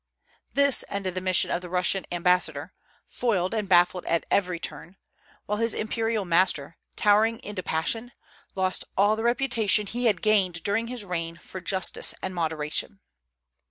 This ended the mission of the Russian ambassador, foiled and baffled at every turn; while his imperial master, towering into passion, lost all the reputation he had gained during his reign for justice and moderation.